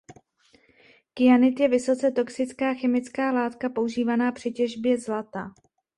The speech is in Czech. Kyanid je vysoce toxická chemická látka používaná při těžbě zlata.